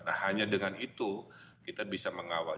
nah hanya dengan itu kita bisa mengawal